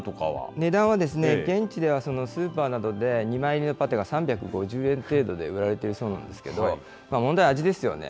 値段は、現地ではスーパーなどで２枚入りのパテが３５０円程度で売られているそうなんですけど、問題は味ですよね。